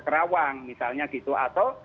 kerawang misalnya gitu atau